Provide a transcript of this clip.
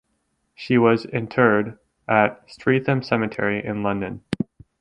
She was interred at Streatham Cemetery in London.